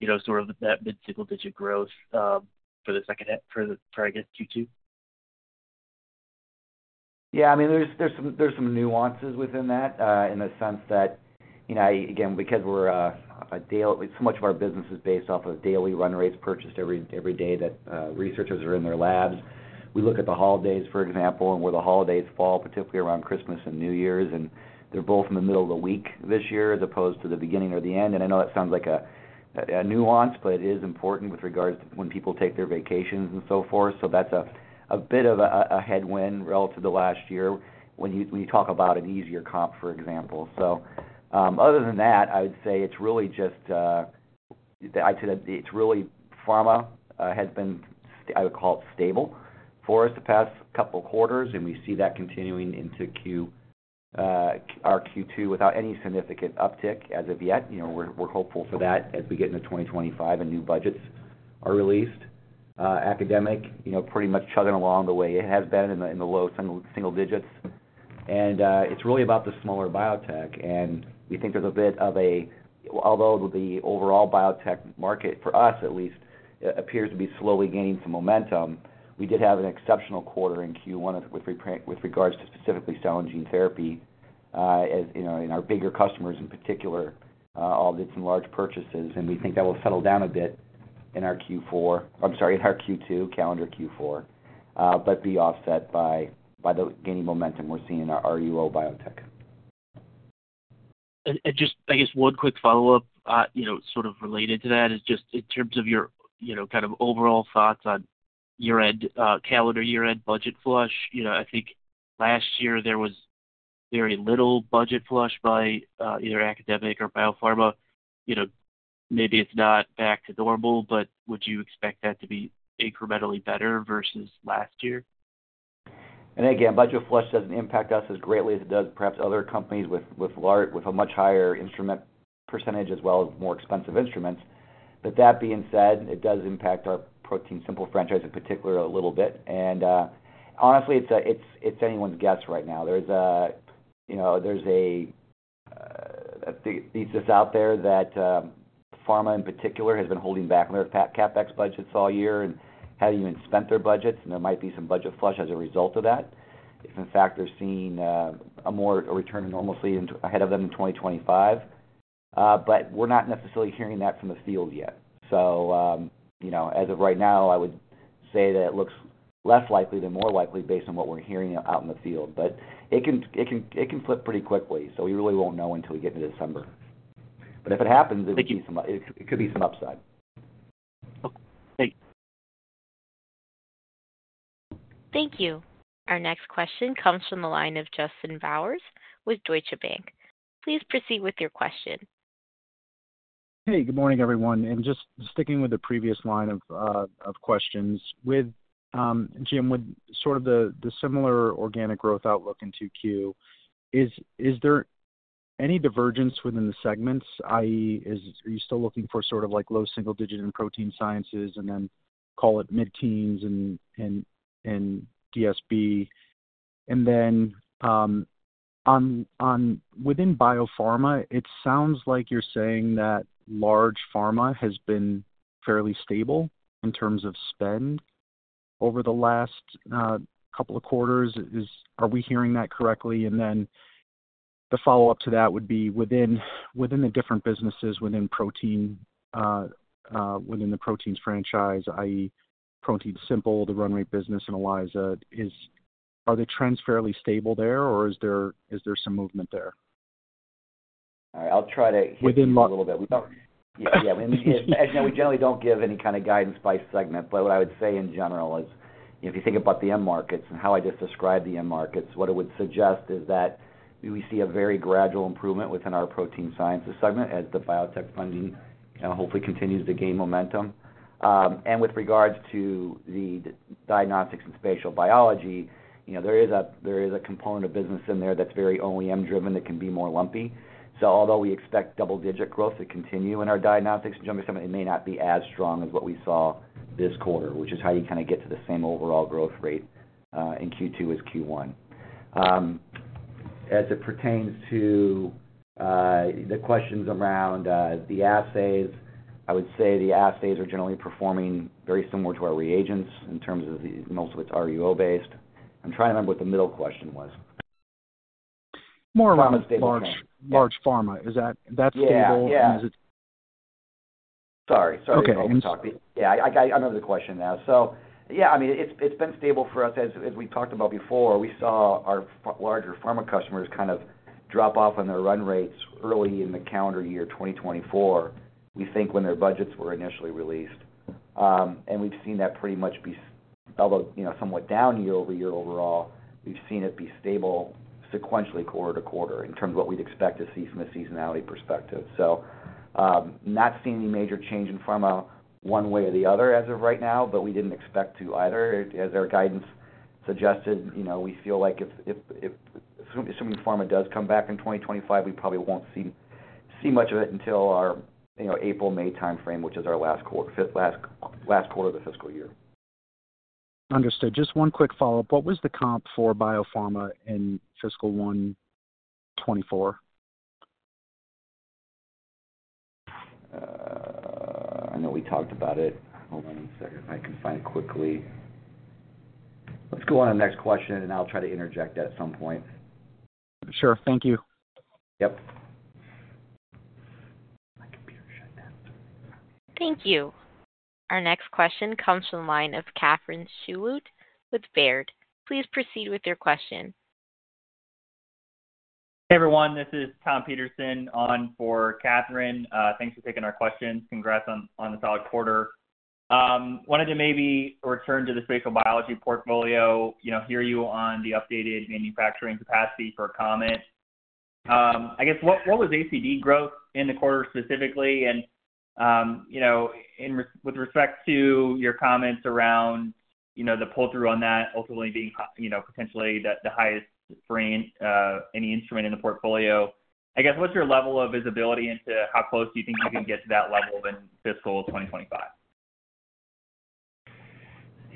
S8: you know, sort of that mid-single-digit growth for the second, for I guess Q2?
S4: Yeah. I mean, there's some nuances within that in the sense that, you know, again, because we're a daily, so much of our business is based off of daily run rates purchased every day that researchers are in their labs. We look at the holidays, for example, and where the holidays fall, particularly around Christmas and New Year's, and they're both in the middle of the week this year as opposed to the beginning or the end. And I know that sounds like a nuance, but it is important with regards to when people take their vacations and so forth. So that's a bit of a headwind relative to last year when you talk about an easier comp, for example. So other than that, I would say it's really just. I'd say that it's really pharma has been. I would call it stable for us the past couple of quarters, and we see that continuing into our Q2 without any significant uptick as of yet. You know, we're hopeful for that as we get into 2025 and new budgets are released. Academic, you know, pretty much chugging along the way. It has been in the low single digits. And it's really about the smaller biotech. We think there's a bit of a, although the overall biotech market for us at least appears to be slowly gaining some momentum, we did have an exceptional quarter in Q1 with regards to specifically cell and gene therapy as, you know, in our bigger customers in particular, all did some large purchases. And we think that will settle down a bit in our Q4, I'm sorry, in our Q2, calendar Q4, but be offset by the gaining momentum we're seeing in our RUO biotech.
S8: And just, I guess, one quick follow-up, you know, sort of related to that is just in terms of your, you know, kind of overall thoughts on year-end calendar, year-end budget flush. You know, I think last year there was very little budget flush by either academic or biopharma. You know, maybe it's not back to normal, but would you expect that to be incrementally better versus last year?
S4: And again, budget flush doesn't impact us as greatly as it does perhaps other companies with a much higher instrument percentage as well as more expensive instruments. But that being said, it does impact our ProteinSimple franchise in particular a little bit. And honestly, it's anyone's guess right now. There's a, you know, there's a thesis out there that pharma in particular has been holding back their CapEx budgets all year and haven't even spent their budgets. And there might be some budget flush as a result of that, if in fact they're seeing a return to normalcy ahead of them in 2025. But we're not necessarily hearing that from the field yet. So, you know, as of right now, I would say that it looks less likely than more likely based on what we're hearing out in the field. But it can flip pretty quickly. So we really won't know until we get into December. But if it happens, it could be some upside.
S8: Okay.
S1: Thank you. Our next question comes from the line of Justin Bowers with Deutsche Bank. Please proceed with your question.
S9: Hey, good morning everyone. And just sticking with the previous line of questions, with Jim, with sort of the similar organic growth outlook in Q2, is there any divergence within the segments? i.e., are you still looking for sort of like low single digit in protein sciences and then call it mid-teens and DSB? And then within biopharma, it sounds like you're saying that large pharma has been fairly stable in terms of spend over the last couple of quarters. Are we hearing that correctly? And then the follow-up to that would be within the different businesses within the proteins franchise, i.e., ProteinSimple, the run rate business in ELISA, are the trends fairly stable there or is there some movement there?
S4: All right. I'll try to hit a little bit. Yeah. And we generally don't give any kind of guidance by segment, but what I would say in general is if you think about the end markets and how I just described the end markets, what it would suggest is that we see a very gradual improvement within our protein sciences segment as the biotech funding hopefully continues to gain momentum. And with regards to the diagnostics and spatial biology, you know, there is a component of business in there that's very OEM-driven that can be more lumpy. So although we expect double-digit growth to continue in our diagnostics and genomics segment, it may not be as strong as what we saw this quarter, which is how you kind of get to the same overall growth rate in Q2 as Q1. As it pertains to the questions around the assays, I would say the assays are generally performing very similar to our reagents in terms of most of it's RUO-based. I'm trying to remember what the middle question was. More or less.
S9: Large pharma. Is that stable?
S4: Yeah. Sorry. Sorry. Yeah. I know the question now. So yeah, I mean, it's been stable for us as we talked about before. We saw our larger pharma customers kind of drop off on their run rates early in the calendar year 2024, we think when their budgets were initially released, and we've seen that pretty much be, although, you know, somewhat down year-over-year overall, we've seen it be stable sequentially quarter to quarter in terms of what we'd expect to see from a seasonality perspective, so not seeing any major change in pharma one way or the other as of right now, but we didn't expect to either. As our guidance suggested, you know, we feel like if assuming pharma does come back in 2025, we probably won't see much of it until our, you know, April, May timeframe, which is our last quarter of the fiscal year.
S9: Understood. Just one quick follow-up. What was the comp for biopharma in fiscal 2024? I know we talked about it. Hold on one second.
S3: I can find it quickly. Let's go on to the next question and then I'll try to interject at some point.
S9: Sure. Thank you. Yep.
S1: Thank you. Our next question comes from the line of Catherine Schulte with Baird. Please proceed with your question.
S10: Hey everyone, this is Tom Peterson on for Catherine. Thanks for taking our questions. Congrats on the solid quarter. Wanted to maybe return to the spatial biology portfolio, you know, hear you on the updated manufacturing capacity for COMET. I guess what was ACD growth in the quarter specifically? And, you know, with respect to your comments around, you know, the pull-through on that ultimately being, you know, potentially the highest for any instrument in the portfolio, I guess what's your level of visibility into how close do you think you can get to that level in fiscal 2025?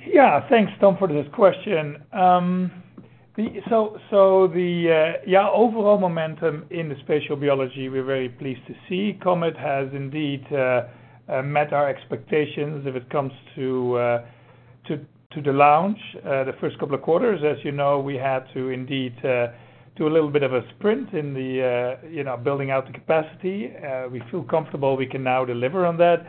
S3: Yeah. Thanks, Tom, for this question. So the overall momentum in the spatial biology we're very pleased to see. Comet has indeed met our expectations if it comes to the launch. The first couple of quarters, as you know, we had to indeed do a little bit of a sprint in the, you know, building out the capacity. We feel comfortable we can now deliver on that.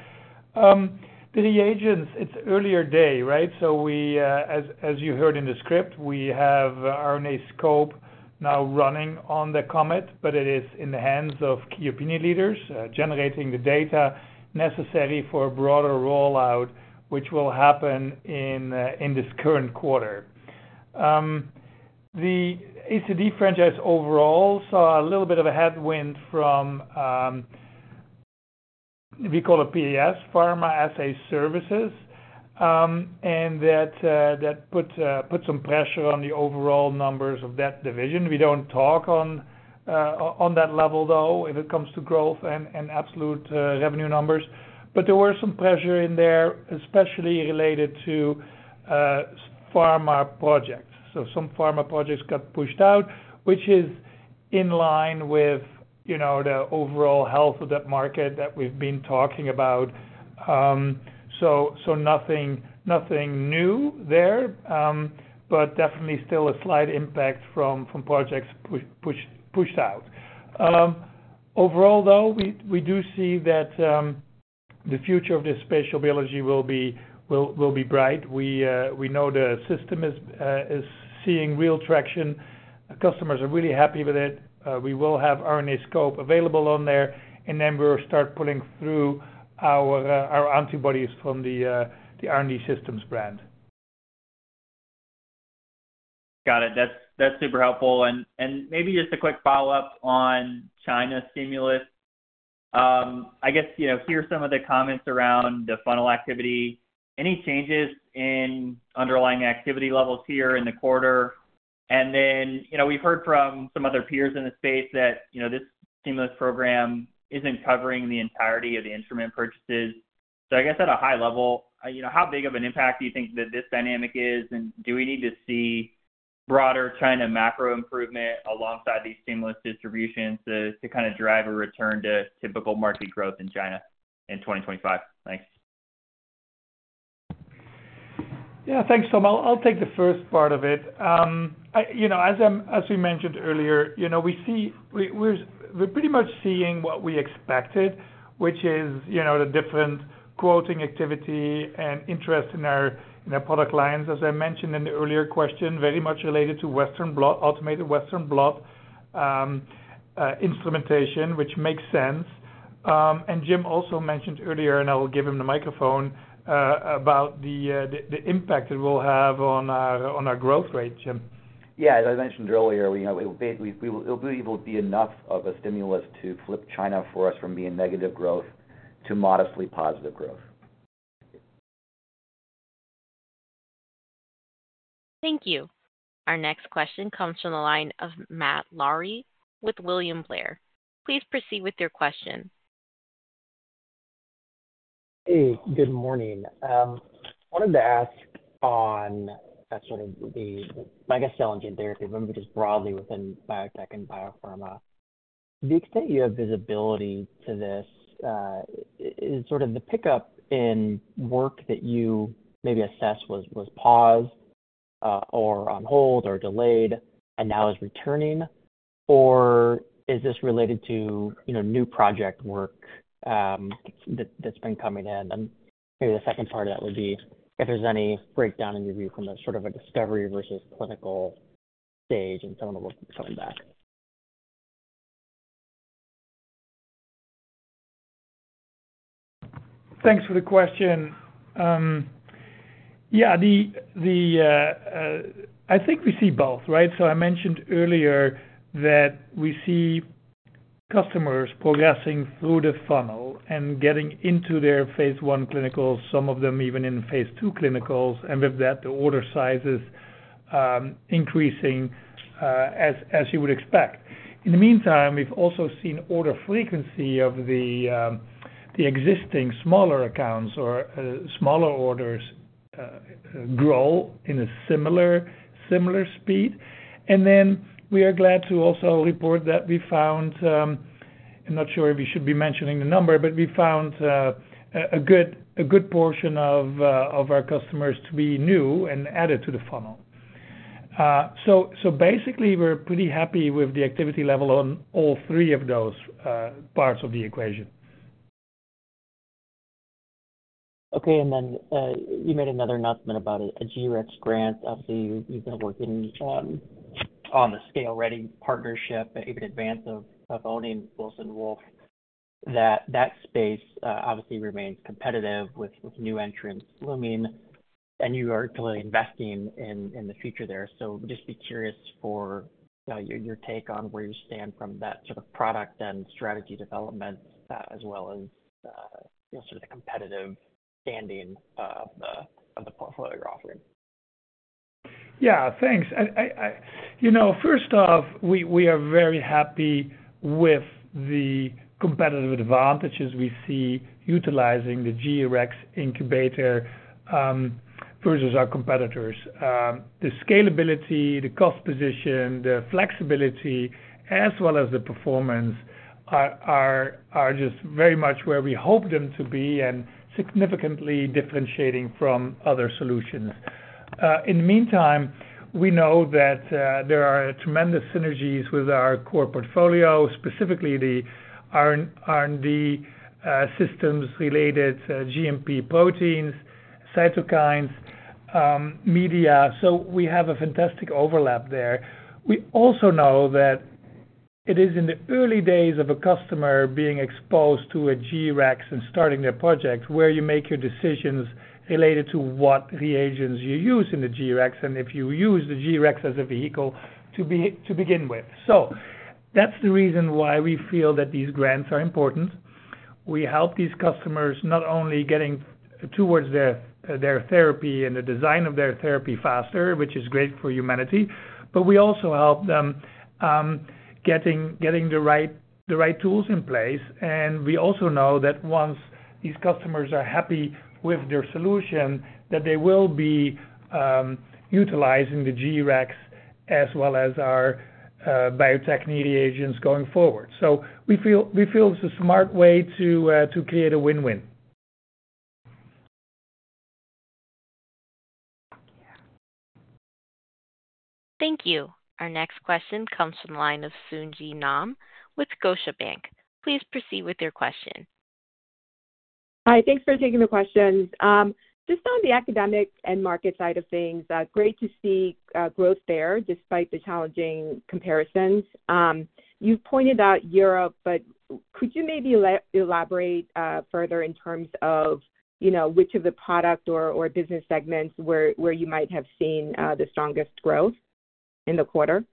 S3: The reagents, it's early days, right? So we, as you heard in the script, we have RNAscope now running on the Comet, but it is in the hands of key opinion leaders generating the data necessary for a broader rollout, which will happen in this current quarter. The ACD franchise overall saw a little bit of a headwind from what we call a PAS, Pharma Assay Services, and that put some pressure on the overall numbers of that division. We don't talk on that level, though, if it comes to growth and absolute revenue numbers. But there were some pressure in there, especially related to pharma projects. So some pharma projects got pushed out, which is in line with, you know, the overall health of that market that we've been talking about. So nothing new there, but definitely still a slight impact from projects pushed out. Overall, though, we do see that the future of this spatial biology will be bright. We know the system is seeing real traction. Customers are really happy with it. We will have RNAscope available on there, and then we'll start pulling through our antibodies from the R&D Systems brand.
S10: Got it. That's super helpful. And maybe just a quick follow-up on China stimulus. I guess, you know, here's some of the comments around the funnel activity. Any changes in underlying activity levels here in the quarter? And then, you know, we've heard from some other peers in the space that, you know, this stimulus program isn't covering the entirety of the instrument purchases. So I guess at a high level, you know, how big of an impact do you think that this dynamic is, and do we need to see broader China macro improvement alongside these stimulus distributions to kind of drive a return to typical market growth in China in 2025?
S3: Thanks. Yeah. Thanks, Tom. I'll take the first part of it. You know, as we mentioned earlier, you know, we're pretty much seeing what we expected, which is, you know, the different quoting activity and interest in our product lines, as I mentioned in the earlier question, very much related to Western blot, automated Western blot instrumentation, which makes sense. And Jim also mentioned earlier, and I'll give him the microphone, about the impact it will have on our growth rate, Jim.
S4: Yeah. As I mentioned earlier, you know, it will be enough of a stimulus to flip China for us from being negative growth to modestly positive growth.
S1: Thank you. Our next question comes from the line of Matt Larew with William Blair. Please proceed with your question.
S11: Hey, good morning. I wanted to ask on sort of the, I guess, cell and gene therapy, but maybe just broadly within biotech and biopharma. To the extent you have visibility to this, is sort of the pickup in work that you maybe assessed was paused or on hold or delayed and now is returning, or is this related to, you know, new project work that's been coming in? And maybe the second part of that would be if there's any breakdown in your view from a sort of a discovery versus clinical stage and some of the work that's coming back.
S3: Thanks for the question. Yeah. I think we see both, right? So I mentioned earlier that we see customers progressing through the funnel and getting into their phase one clinicals, some of them even in phase two clinicals, and with that, the order sizes increasing as you would expect. In the meantime, we've also seen order frequency of the existing smaller accounts or smaller orders grow in a similar speed. And then we are glad to also report that we found, I'm not sure if we should be mentioning the number, but we found a good portion of our customers to be new and added to the funnel. So basically, we're pretty happy with the activity level on all three of those parts of the equation.
S11: Okay. And then you made another announcement about a G-Rex grant. Obviously, you've been working on the ScaleReady partnership, even in advance of owning Wilson Wolf. That space obviously remains competitive with new entrants looming, and you are clearly investing in the future there. So I'm just curious for your take on where you stand from that sort of product and strategy development, as well as sort of the competitive standing of the portfolio you're offering.
S3: Yeah. Thanks. You know, first off, we are very happy with the competitive advantages we see utilizing the G-Rex incubator versus our competitors. The scalability, the cost position, the flexibility, as well as the performance are just very much where we hope them to be and significantly differentiating from other solutions. In the meantime, we know that there are tremendous synergies with our core portfolio, specifically the R&D Systems-related GMP proteins, cytokines, media. So we have a fantastic overlap there. We also know that it is in the early days of a customer being exposed to a G-Rex and starting their project where you make your decisions related to what reagents you use in the G-Rex and if you use the G-Rex as a vehicle to begin with. So that's the reason why we feel that these grants are important. We help these customers not only getting towards their therapy and the design of their therapy faster, which is great for humanity, but we also help them getting the right tools in place. And we also know that once these customers are happy with their solution, that they will be utilizing the G-Rex as well as our biotech reagents going forward. So we feel it's a smart way to create a win-win.
S1: Thank you. Our next question comes from the line of Sung Ji Nam with Scotiabank. Please proceed with your question.
S12: Hi. Thanks for taking the question. Just on the academic and market side of things, great to see growth there despite the challenging comparisons. You've pointed out Europe, but could you maybe elaborate further in terms of, you know, which of the product or business segments where you might have seen the strongest growth in the quarter?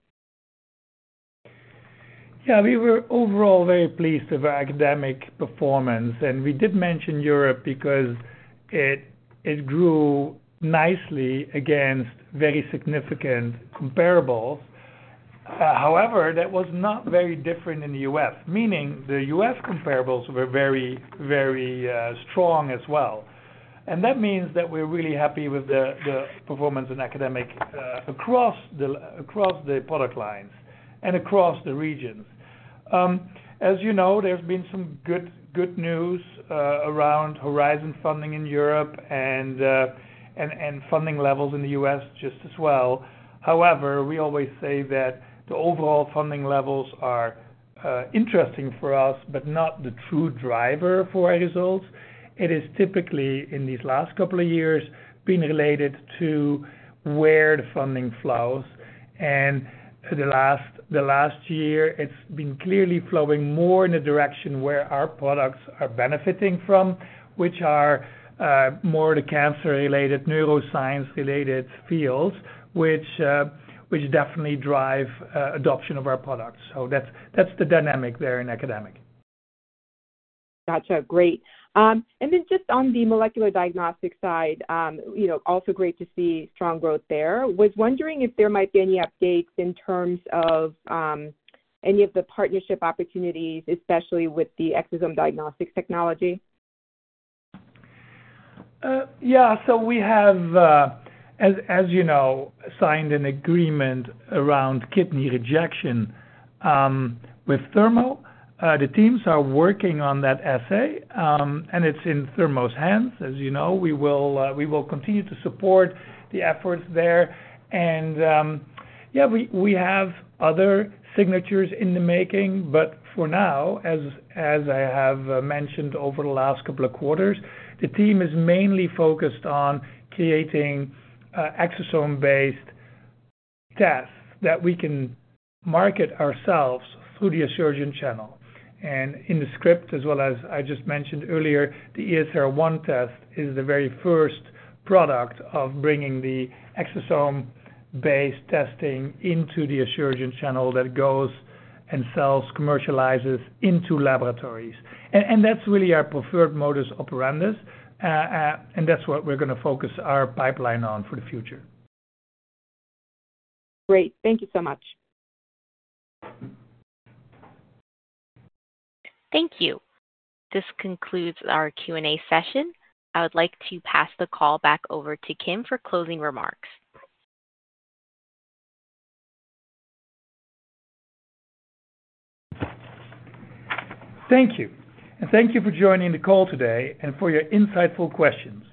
S3: Yeah. We were overall very pleased with our academic performance. And we did mention Europe because it grew nicely against very significant comparables. However, that was not very different in the U.S., meaning the U.S. comparables were very, very strong as well. And that means that we're really happy with the performance in academic across the product lines and across the regions. As you know, there's been some good news around Horizon funding in Europe and funding levels in the U.S. just as well. However, we always say that the overall funding levels are interesting for us, but not the true driver for our results. It has typically, in these last couple of years, been related to where the funding flows. And the last year, it's been clearly flowing more in the direction where our products are benefiting from, which are more of the cancer-related, neuroscience-related fields, which definitely drive adoption of our products. So that's the dynamic there in academic.
S12: Gotcha. Great. And then just on the molecular diagnostic side, you know, also great to see strong growth there. I was wondering if there might be any updates in terms of any of the partnership opportunities, especially with the Exosome Diagnostics technology.
S3: Yeah. So we have, as you know, signed an agreement around kidney rejection with Thermo. The teams are working on that assay, and it's in Thermo's hands. As you know, we will continue to support the efforts there. And yeah, we have other signatures in the making, but for now, as I have mentioned over the last couple of quarters, the team is mainly focused on creating exosome-based tests that we can market ourselves through the Asuragen channel. In the script, as well as I just mentioned earlier, the ESR1 test is the very first product of bringing the exosome-based testing into the Asuragen channel that goes and sells, commercializes into laboratories. That's really our preferred modus operandi, and that's what we're going to focus our pipeline on for the future.
S12: Great. Thank you so much.
S1: Thank you. This concludes our Q&A session. I would like to pass the call back over to Kim for closing remarks.
S3: Thank you. Thank you for joining the call today and for your insightful questions.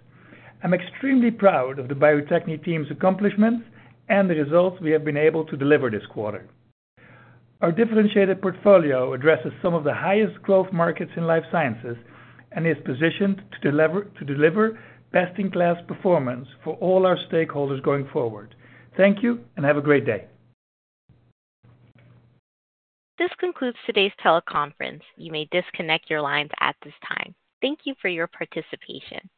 S3: I'm extremely proud of the Bio-Techne team's accomplishments and the results we have been able to deliver this quarter. Our differentiated portfolio addresses some of the highest growth markets in life sciences and is positioned to deliver best-in-class performance for all our stakeholders going forward. Thank you and have a great day.
S1: This concludes today's teleconference. You may disconnect your lines at this time. Thank you for your participation.